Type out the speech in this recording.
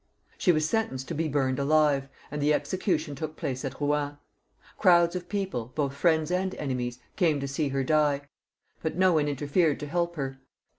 She was sentenced to be burned alive, and the execu tion took place at Eouen. Crowds of people, both friends and enemies, came to see her die, but no one interfered to help her.